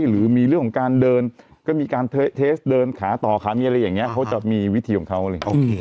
หรือมีเรื่องของการเดินก็มีการเทสเดินขาต่อขามีอะไรอย่างนี้เขาจะมีวิธีของเขาอะไรอย่างนี้